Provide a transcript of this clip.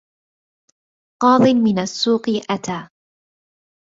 قاض من السوق أتى